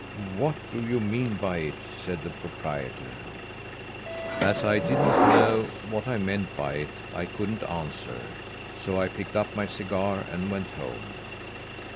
"'What do you mean by it?' said the proprietor. "As I didn't know what I meant by it I couldn't answer, so I picked up my cigar and went home.